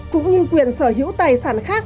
cũng như quyền sở hữu tài sản khác